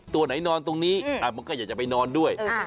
ตัวไหนนอนตรงนี้มันก็อยากจะไปนอนด้วย